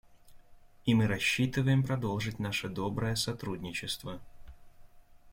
И мы рассчитываем продолжить наше доброе сотрудничество.